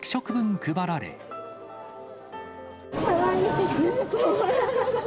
かわいい。